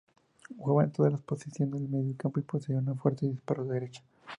Jugaba en todas las posiciones del mediocampo y poseía un fuerte disparo de derecha.